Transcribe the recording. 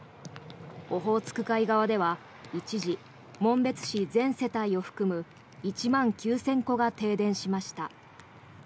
オホーツク海側で一時、紋別市全世帯を含む１万９０００戸が停電しました。